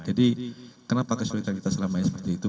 jadi kenapa kesulitan kita selamanya seperti itu